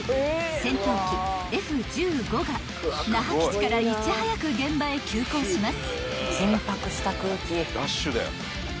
［戦闘機Ｆ−１５が那覇基地からいち早く現場へ急行します］